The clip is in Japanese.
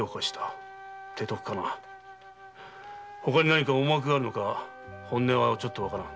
ほかに思惑があるのか本音はちょっと判らん。